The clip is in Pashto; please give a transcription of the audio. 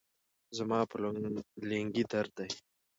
زما په لنګې درد دي